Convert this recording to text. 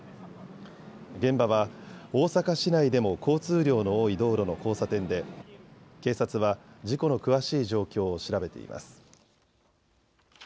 現場は大阪市内でも交通量の多い道路の交差点で警察は事故の詳しい状況を調べています。